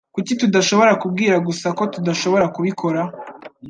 Kuki tudashobora kubwira gusa ko tudashobora kubikora?